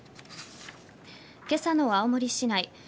今朝の青森市内。